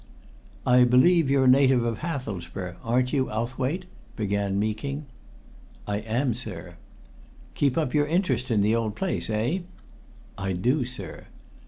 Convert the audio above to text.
"I believe you're a native of Hathelsborough, aren't you, Owthwaite?" began Meeking. "I am, sir." "Keep up your interest in the old place, eh?" "I do, sir."